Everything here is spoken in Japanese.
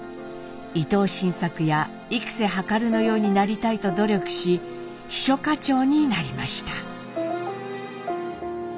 伊藤新作や幾瀬量のようになりたいと努力し秘書課長になりました。